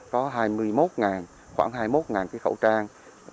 có hai mươi một khoảng hai mươi một cái khẩu trang